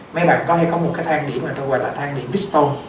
mấy bạn có thể có một cái thang điểm này tôi gọi là thang điểm pistol